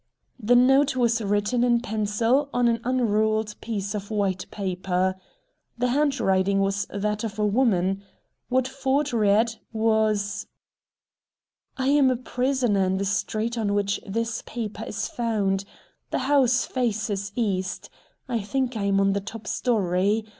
The note was written in pencil on an unruled piece of white paper. The handwriting was that of a woman. What Ford read was: "I am a prisoner in the street on which this paper is found. The house faces east. I think I am on the top story.